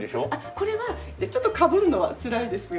これはちょっとかぶるのはつらいですが。